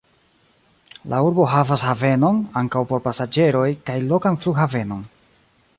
La urbo havas havenon (ankaŭ por pasaĝeroj) kaj lokan flughavenon.